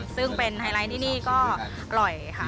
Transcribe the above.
ซึ่งเป็นไฮไลท์ที่นี่ก็อร่อยค่ะ